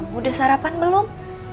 kamu udah sarapan belum